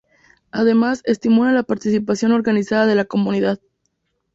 Además, estimula la participación organizada de la comunidad.